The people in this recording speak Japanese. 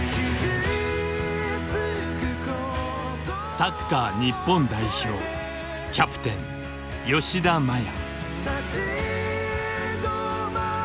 サッカー日本代表キャプテン吉田麻也。